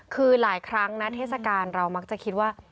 คือหลายครั้งนะเทศกาลเรามักจะคิดว่า